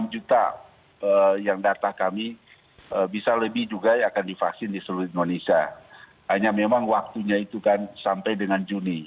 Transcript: enam juta yang data kami bisa lebih juga akan divaksin di seluruh indonesia hanya memang waktunya itu kan sampai dengan juni